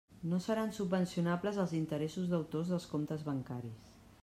No seran subvencionables els interessos deutors dels comptes bancaris.